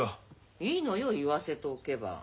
いいのよ言わせておけば。